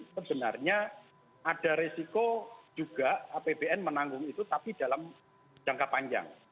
sebenarnya ada resiko juga apbn menanggung itu tapi dalam jangka panjang